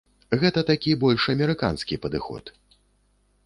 Гэта такі больш амерыканскі падыход.